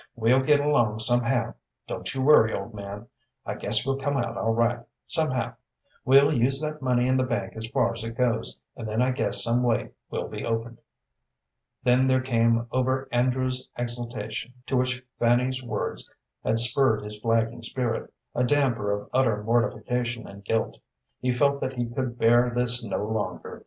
"We'll get along somehow don't you worry, old man. I guess we'll come out all right, somehow. We'll use that money in the bank as far as it goes, and then I guess some way will be opened." Then there came over Andrew's exaltation, to which Fanny's words had spurred his flagging spirit, a damper of utter mortification and guilt. He felt that he could bear this no longer.